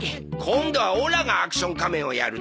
今度はオラがアクション仮面をやるだよ。